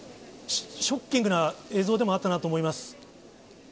ショッキングな映像でもあったなと思います。